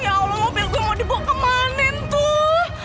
ya allah mobil gue mau dibawa kemanan tuh